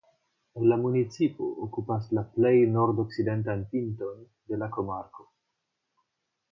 La municipo okupas la plej nordokcidentan pinton de la komarko.